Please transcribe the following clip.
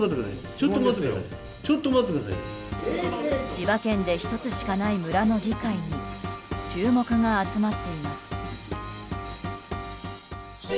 千葉県で１つしかない村の議会に注目が集まっています。